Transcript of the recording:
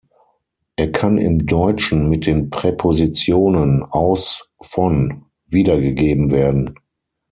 Er kann im Deutschen mit den Präpositionen "aus, von" wiedergegeben werden.